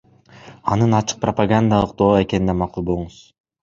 Анын ачык пропагандалык доо экенине макул болуңуз.